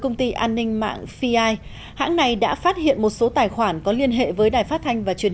công ty an ninh mạng fi hãng này đã phát hiện một số tài khoản có liên hệ với đài phát thanh và truyền